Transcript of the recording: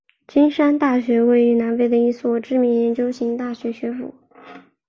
金山大学位于南非的一所知名研究型大学学府。